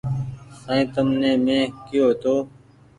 سائين تمني مينٚ ڪيو تو